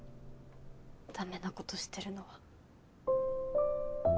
だめなことしてるのは。